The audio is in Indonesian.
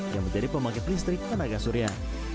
yang menjadi pembangkit listrik tenaga surya